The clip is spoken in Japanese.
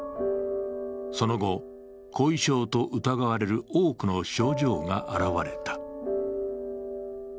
その後、後遺症と疑われる多くの症状が現れた。